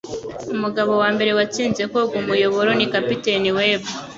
Umugabo wambere watsinze koga Umuyoboro ni Kapiteni Web